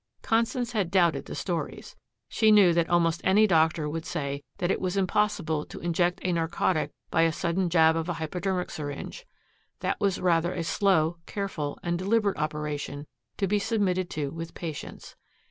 Constance had doubted the stories. She knew that almost any doctor would say that it was impossible to inject a narcotic by a sudden jab of a hypodermic syringe. That was rather a slow, careful and deliberate operation, to be submitted to with patience.